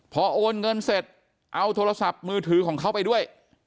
พอโอนเงินเสร็จเอาโทรศัพท์มือถือของเขาไปด้วย